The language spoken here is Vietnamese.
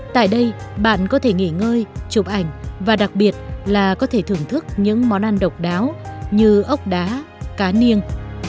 tại đây bạn có thể nghỉ ngơi chụp ảnh và đặc biệt là có thể thưởng thức những món ăn độc đáo như ốc đá cá niên